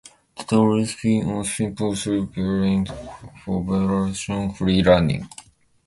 The turbine spins on simple sleeve bearings for vibration-free running.